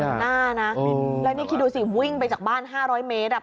เหล็กไนอยู่เต็มหน้านะแล้วนี่คิดดูสิวิ่งไปจากบ้าน๕๐๐เมตร